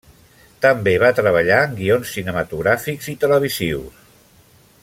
També va treballar en guions cinematogràfics i televisius.